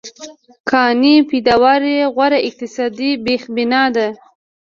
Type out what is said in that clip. کانې پیداوار یې غوره اقتصادي بېخبنا ده.